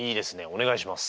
お願いします。